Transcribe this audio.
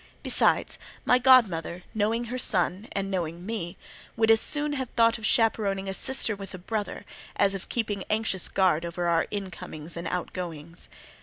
Besides, my godmother, knowing her son, and knowing me, would as soon have thought of chaperoning a sister with a brother, as of keeping anxious guard over our incomings and outgoings.